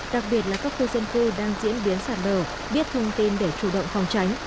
đặc biệt là các khu dân cư đang diễn biến sạt lở biết thông tin để chủ động phòng tránh